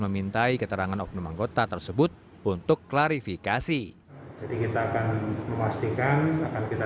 memintai keterangan oknum anggota tersebut untuk klarifikasi jadi kita akan memastikan akan kita